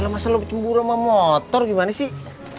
masa lo kecumburan sama motor gimana sih